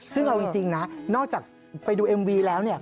ซึ่งเอาจริงนะนอกจากไปดูเอ็มวีแล้วเนี่ย